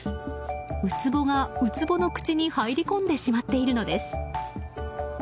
ウツボが、ウツボの口に入り込んでしまっているのです。